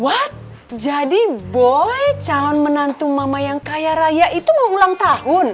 what jadi boy calon menantu mama yang kaya raya itu mau ulang tahun